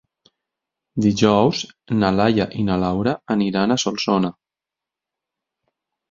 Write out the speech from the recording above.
Dijous na Laia i na Laura aniran a Solsona.